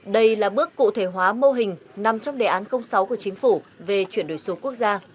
đây là bước cụ thể hóa mô hình nằm trong đề án sáu của chính phủ về chuyển đổi số quốc gia